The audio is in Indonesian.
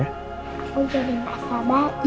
aku jadi mas sabar